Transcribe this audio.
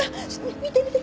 見て見て。